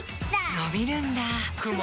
のびるんだ